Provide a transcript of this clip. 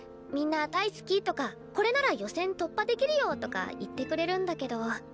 みんな「大好き」とか「これなら予選突破できるよ」とか言ってくれるんだけど。